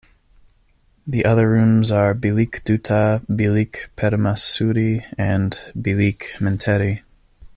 The other rooms are "Bilik Duta", "Bilik Permaisuri" and "Bilik Menteri".